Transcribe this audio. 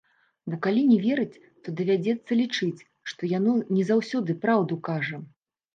Бо калі не верыць, то давядзецца лічыць, што яно не заўсёды праўду кажа.